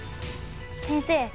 先生